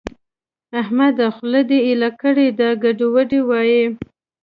احمده! خوله دې ايله کړې ده؛ ګډې وډې وايې.